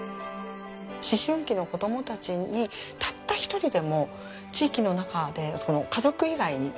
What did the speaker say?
思春期の子どもたちにたった一人でも地域の中で家族以外に話せる人がいるとか